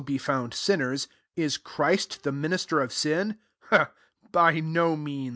be found sinners, is Christ the minister of sin ? By no means.